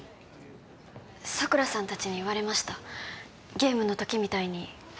桜さん達に言われました「ゲームの時みたいに報道も」